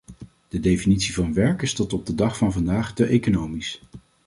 De definitie van werk is tot op de dag van vandaag te economisch.